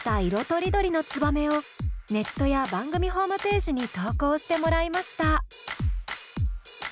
とりどりの「ツバメ」をネットや番組ホームページに投稿してもらいました。